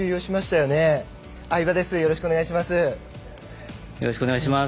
よろしくお願いします。